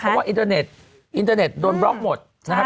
เพราะว่าอินเทอร์เน็ตอินเทอร์เน็ตโดนบล็อกหมดนะครับ